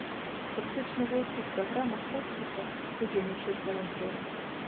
Фактычна ва ўсіх праграмах хоспіса ўдзельнічаюць валанцёры.